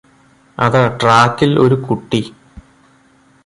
അതാ ട്രാക്കില് ഒരു കുട്ടി